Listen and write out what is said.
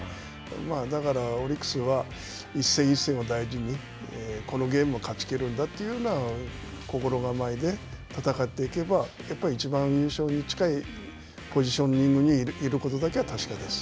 まあだから、オリックスは、１戦１戦を大事にこのゲームを勝ちきるんだというような心構えで戦っていけばやっぱりいちばん優勝に近いポジショニングにいるチームです。